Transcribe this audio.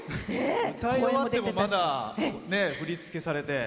歌い終わっても、まだ振り付けされて。